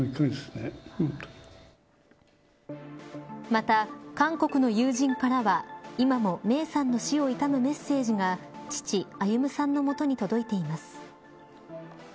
また韓国の友人からは今も芽生さんの死を悼むメッセージが父、歩さんの元に届いています。